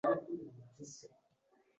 Odam hangomaga ham to`yarkan